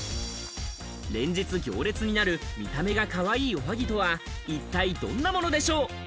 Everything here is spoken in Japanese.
連日行列になる見た目がかわいいおはぎとは一体どんなものでしょう？